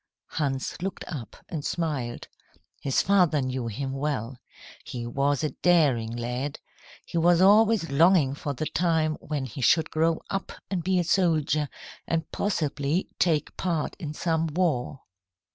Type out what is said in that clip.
Hans looked up and smiled. His father knew him well. He was a daring lad. He was always longing for the time when he should grow up and be a soldier, and possibly take part in some war.